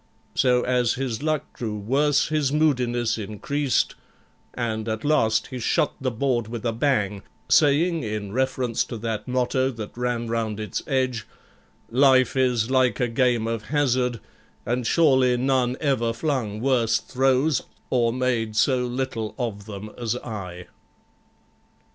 So as his luck grew worse his moodiness increased, and at last he shut the board with a bang, saying, in reference to that motto that ran round its edge, 'Life is like a game of hazard, and surely none ever flung worse throws, or made so little of them as I.'